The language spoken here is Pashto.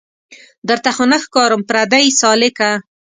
درته خو نه ښکارم پردۍ سالکه